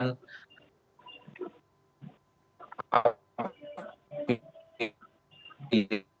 mas adi sinyalnya tampaknya